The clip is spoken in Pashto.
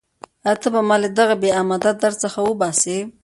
ایا ته به ما له دغه بېامیده درد څخه وباسې؟